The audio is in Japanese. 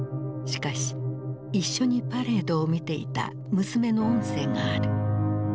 しかし一緒にパレードを見ていた娘の音声がある。